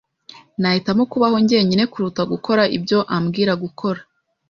Nahitamo kubaho njyenyine kuruta gukora ibyo ambwira gukora.